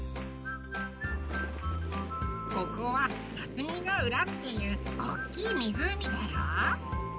ここは「霞ヶ浦」っていうおっきいみずうみだよ！